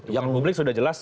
dukungan publik sudah jelas